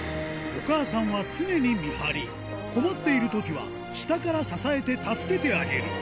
お母さんは常に見張り、困っているときは、下から支えて助けてあげる。